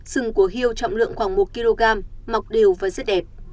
sừng của hiêu trọng lượng khoảng một kg mọc đều và rất đẹp